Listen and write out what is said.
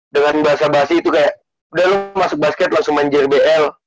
dengan bahasa bahasa itu kayak udah lu masuk basket langsung main jrbl